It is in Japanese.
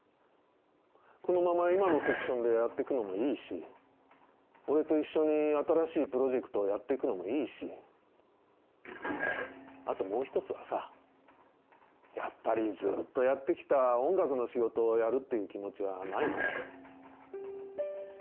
このまま今のセクションでやっていくのもいいし俺と一緒に新しいプロジェクトをやっていくのもいいしあともう一つはさやっぱりずっとやってきた音楽の仕事をやるっていう気持ちはないの？